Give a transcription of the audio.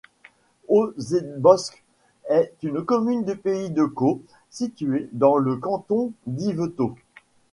Auzebosc est une commune du pays de Caux située dans le canton d'Yvetot.